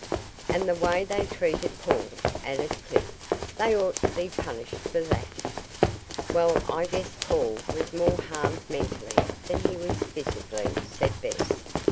"And the way they treated Paul," added Clip. "They ought to be punished for that." "Well, I guess Paul was more harmed mentally than he was physically," said Bess.